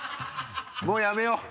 もうやめよう！